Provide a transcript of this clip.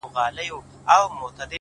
لوړ همت ستړې شېبې زغمي؛